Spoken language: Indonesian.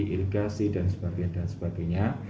iligasi dan sebagainya dan sebagainya